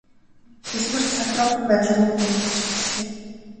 Хэлмэрч сандруухан байдлаар үг дамжуулж эхэллээ.